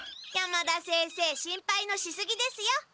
山田先生心配のしすぎですよ！